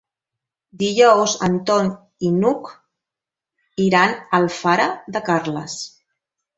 Dijous en Ton i n'Hug iran a Alfara de Carles.